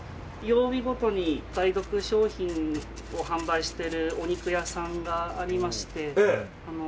曜日ごとにお買い得商品を販売しているお肉屋さんがありまして。